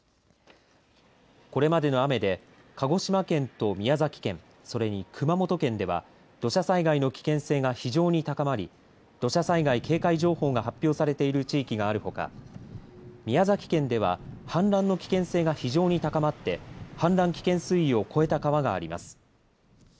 これまでの雨で鹿児島県と宮崎県それに熊本県では土砂災害の危険性が非常に高まり土砂災害警戒情報が発表されている地域があるほか宮崎県では氾濫の危険性が非常に高まって氾濫危険水位を超えた川があります。